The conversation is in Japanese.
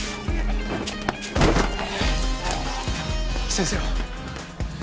先生は？